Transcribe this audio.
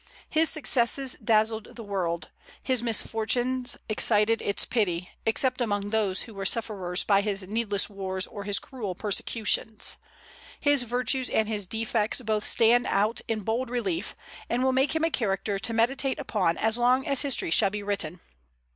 His successes dazzled the world; his misfortunes excited its pity, except among those who were sufferers by his needless wars or his cruel persecutions. His virtues and his defects both stand out in bold relief, and will make him a character to meditate upon as long as history shall be written.